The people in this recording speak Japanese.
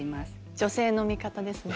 女性の味方ですね。